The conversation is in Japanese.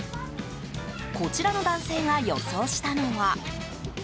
こちらの男性が予想したのは。